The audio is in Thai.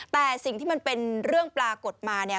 แต่สิ่งที่มันเป็นเรื่องปรากฏมาเนี่ย